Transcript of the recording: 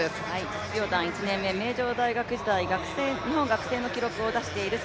実業団１年目、名城大学時代、日本学生の記録を出しています。